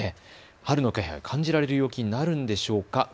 春の気配感じられる陽気になるんでしょうか。